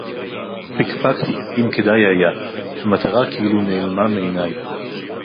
פיקפקתי אם כדאי היה. המטרה כאילו נעלמה מעיניי.